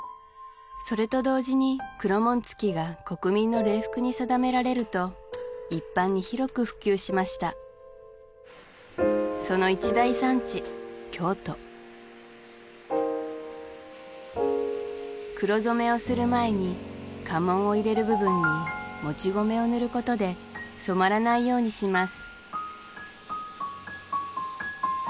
それと同時に黒紋付が国民の礼服に定められると一般に広く普及しましたその一大産地京都黒染めをする前に家紋を入れる部分にもち米を塗ることで染まらないようにします